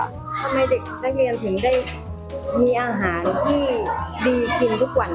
ทำไมเด็กนักเรียนถึงได้มีอาหารที่ดีกินทุกวัน